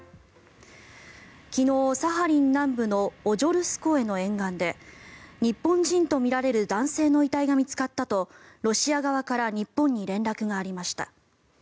昨日、サハリン南部のオジョルスコエの沿岸で日本人とみられる男性の遺体が見つかったとロシア側から日本に連絡がありました。